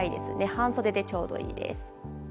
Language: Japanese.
半袖でちょうどいいです。